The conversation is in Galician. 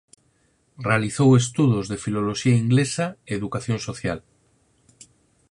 Realizou estudos de filoloxía inglesa e educación social.